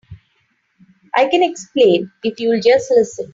I can explain if you'll just listen.